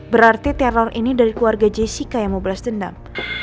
berarti teror ini dari keluarga jessica yang mau balas dendam